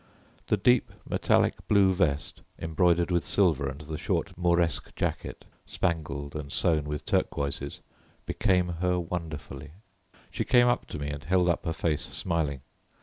The deep metallic blue vest embroidered with silver and the short Mauresque jacket spangled and sewn with turquoises became her wonderfully. She came up to me and held up her face smiling.